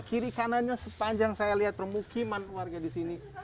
kiri kanannya sepanjang saya lihat permukiman warga di sini